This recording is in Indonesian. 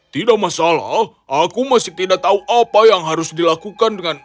tidak masalah aku masih tidak tahu apa yang harus dilakukan dengan